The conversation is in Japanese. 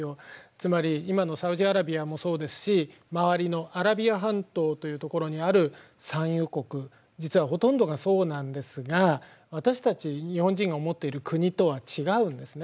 つまり今のサウジアラビアもそうですし周りのアラビア半島というところにある産油国実はほとんどがそうなんですが私たち日本人が思っている国とは違うんですね。